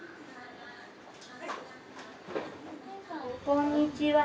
こんにちは。